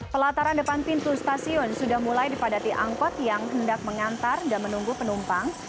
pelataran depan pintu stasiun sudah mulai dipadati angkot yang hendak mengantar dan menunggu penumpang